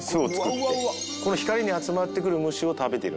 この光に集まってくる虫を食べてるんすよ。